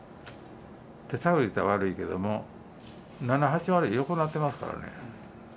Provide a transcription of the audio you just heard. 手探り言うたら悪いけど、７、８割はよくなってますからね。